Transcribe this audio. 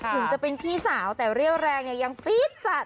ถึงจะเป็นพี่สาวแต่เรี่ยวแรงเนี่ยยังฟีดจัด